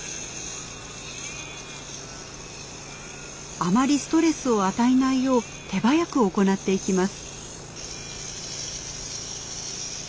あまりストレスを与えないよう手早く行っていきます。